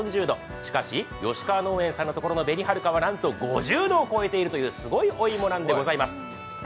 しかし、吉川農園さんの所の紅はるかはなんと５０度を超えているというすごいお芋なんでございます。